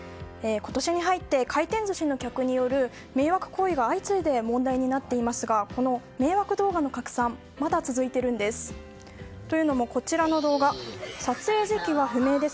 今年に入って回転寿司の客による迷惑行為が相次いで問題になっていますがこの迷惑動画の拡散まだ続いているんです。